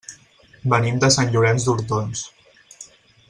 Venim de Sant Llorenç d'Hortons.